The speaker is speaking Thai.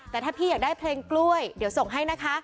แต่ถ้าพี่อยากได้เพลงกล้วยเดี๋ยวส่งให้นะคะ